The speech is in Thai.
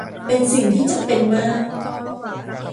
เป็นสิ่งที่จำเป็นมาก